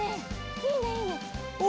いいねいいね。